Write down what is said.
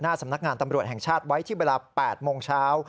สำนักงานตำรวจแห่งชาติไว้ที่เวลา๘โมงเช้า